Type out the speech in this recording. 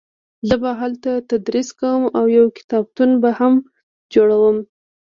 زه به هلته تدریس کوم او یو کتابتون به هم جوړوم